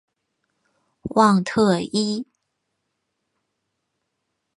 旺特伊。